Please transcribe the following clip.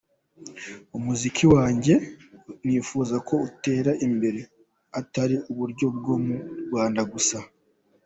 Umuziki wanjye nifuza ko utera imbere; atari uburyo bwo mu Rwanda gusa.